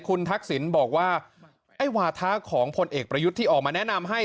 คุณทักษิณบอกว่าไอ้วาทะของพลเอกประยุทธ์ที่ออกมาแนะนำให้